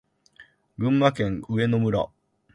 群馬県上野村